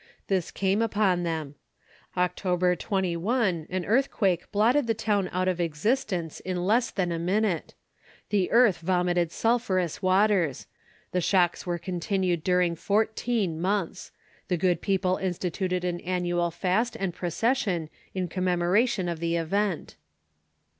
This came upon them. October 21 an earthquake blotted the town out of existence in less than a minute. The earth vomited sulphurous waters. The shocks were continued during fourteen months. The good people instituted an annual fast and procession in commemoration of the event.